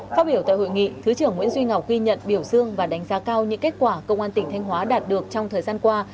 phát biểu tại hội nghị thứ trưởng nguyễn duy ngọc ghi nhận biểu dương và đánh giá cao những kết quả công an tỉnh thanh hóa đạt được trong thời gian qua